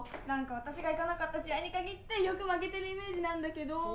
何か私が行かなかった試合に限ってよく負けてるイメージなんだけど？